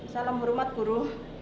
salam hormat guru